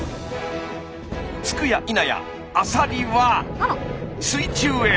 着くやいなやアサリは水中へ。